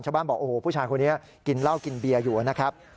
บอกโอ้โหผู้ชายคนนี้กินเหล้ากินเบียร์อยู่นะครับ